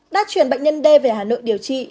đã chuyển bệnh nhân d về hà nội điều trị